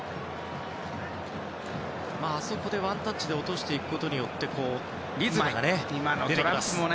あそこでワンタッチで落としていくことによってリズムが出てきますね。